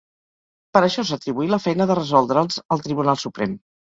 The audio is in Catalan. Per això s'atribuí la feina de resoldre'ls al Tribunal Suprem.